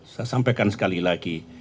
saya sampaikan sekali lagi